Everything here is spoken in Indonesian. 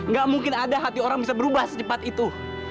gak mungkin ada hati orang bisa berubah secepat itu